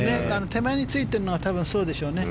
手前についてるのがそうでしょうね。